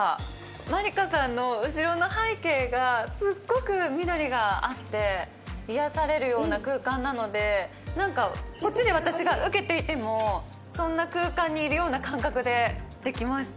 マリカさんの後ろの背景がすっごく緑があって癒やされるような空間なので、なんか、こっちで私が受けていてもそんな空間にいるような感覚でできました。